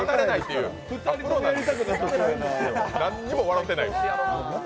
なんにも笑ってない。